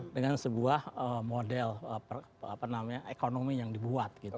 dengan sebuah model apa namanya ekonomi yang dibuat gitu